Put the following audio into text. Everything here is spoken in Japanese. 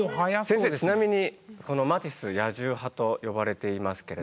先生ちなみにこのマティス「野獣派」と呼ばれていますけれども。